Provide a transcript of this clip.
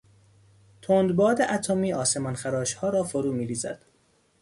تند باد اتمی آسمانخراشها را فرو میریزد.